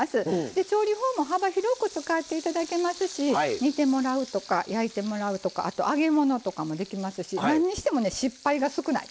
調理法も幅広く使って頂けますし煮てもらうとか焼いてもらうとかあと揚げ物とかもできますし何にしてもね失敗が少ない。